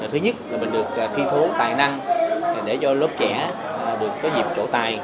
thứ nhất là mình được thi thố tài năng để cho lớp trẻ được có dịp trổ tài